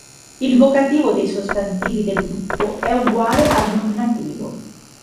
Il vocativo dei sostantivi del gruppo è uguale al nominativo.